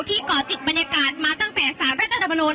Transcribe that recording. ที่ก่อติดบรรยากาศมาตั้งแต่๓รัฐประนวณ